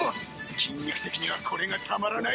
筋肉的にはこれがたまらない。